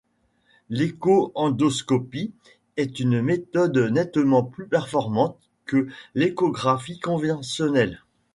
L'écho-endoscopie est une méthode nettement plus performante que l'échographie conventionnelle.